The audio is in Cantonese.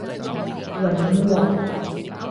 永旺